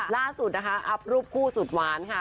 ล่าสุดนะคะอัพรูปคู่สุดหวานค่ะ